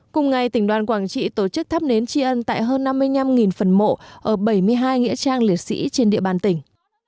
cùng ngày tỉnh đoàn quảng trị tổ chức thắp nến tri ân tại hơn năm mươi năm phần mộ ở bảy mươi hai nghĩa trang liệt sĩ trên địa bàn tỉnh